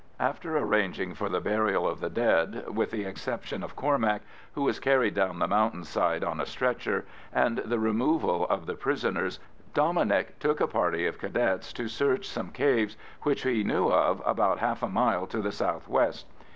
After arranging for the burial of the dead (with the exception of Cormac, who was carried down the mountain side on a stretcher) and the removal of the prisoners, Dominic took a party of Cadets to search some caves which he knew of about half a mile to the south west.